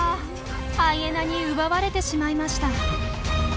ハイエナに奪われてしまいました。